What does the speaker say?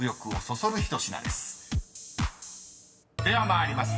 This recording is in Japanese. ［では参ります。